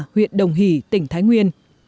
huyện đồng hỷ tỉnh thái nguyên